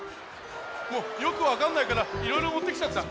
もうよくわかんないからいろいろもってきちゃった。